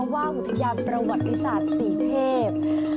ค่ะเพราะว่าอุธยาประวัติศาสตร์ศรีเทพฯ